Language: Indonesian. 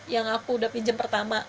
yang aku udah pinjam pertama